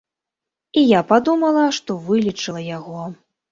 І я падумала, што вылечыла яго.